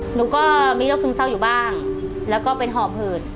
หนูก็มีโรคซึมเศร้าอยู่บ้างแล้วก็เป็นหอบหืด